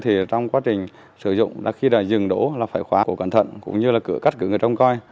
thì trong quá trình sử dụng khi dừng đổ là phải khóa cổ cẩn thận cũng như là cắt cửa người trong coi